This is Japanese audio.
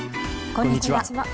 こんにちは。